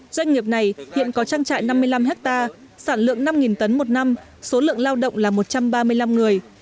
doanh nghiệp này hiện có trang trại năm mươi năm hectare sản lượng năm tấn một năm số lượng lao động là một trăm ba mươi năm người